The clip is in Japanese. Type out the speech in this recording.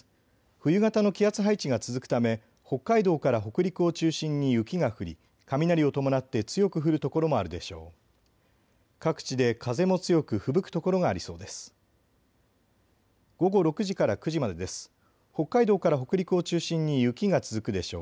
冬型の気圧配置が続くため北海道から北陸を中心に雪が降り雷を伴って強く降る所もあるでしょう。